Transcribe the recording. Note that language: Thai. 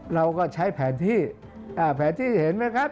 เราก็ใช้แผนที่แผนที่เห็นไหมครับ